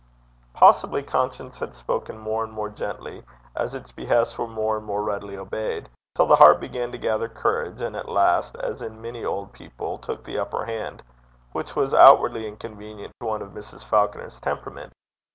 Possibly conscience had spoken more and more gently as its behests were more and more readily obeyed, until the heart began to gather courage, and at last, as in many old people, took the upper hand, which was outwardly inconvenient to one of Mrs. Falconer's temperament.